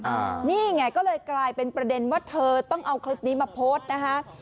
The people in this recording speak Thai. อันนี้ไงก็เลยกลายเป็นประเด็นว่าเธอต้องเอาคลิปนี้มาโพสต์นะคะ